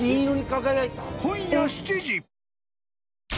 今夜７時。